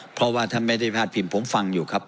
เพราะว่าท่านไม่ได้พลาดพิงผมฟังอยู่ครับ